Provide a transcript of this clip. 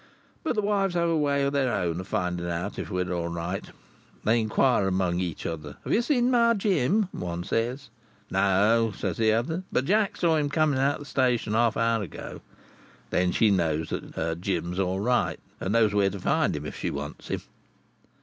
But the wives have a way of their own, of finding out if we're all right. They inquire among each other. 'Have you seen my Jim?' one says. 'No,' says another, 'but Jack see him coming out of the station half an hour ago.' Then she knows that her Jim's all right, and knows where to find him if she wants him.